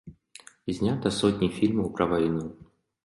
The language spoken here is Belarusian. Знята сотні фільмаў пра вайну.